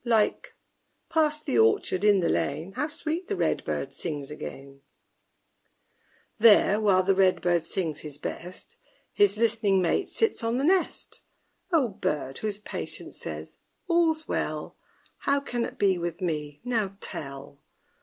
Like Past the orchard, in the lane, How sweet the red bird sings again! There, while the red bird sings his best, His listening mate sits on the nest O bird, whose patience says, All's well, How can it be with me, now tell?